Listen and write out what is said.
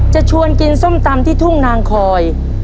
จะชวนกินส้มตำที่ทุ่งนางคอย